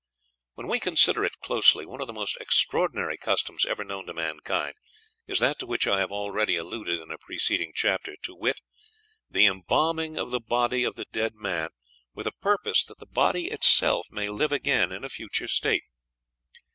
When we consider it closely, one of the most extraordinary customs ever known to mankind is that to which I have already alluded in a preceding chapter, to wit, the embalming of the body of the dead man, with a purpose that the body itself may live again in a future state.